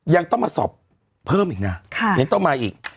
ยังต้องมาสอบเพิ่มอีกนะยังต้องมาอีก